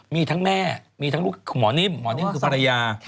มีทั้งแม่มีทั้งลูกคือหมอนิ่มหมอนิ่มคือภรรยา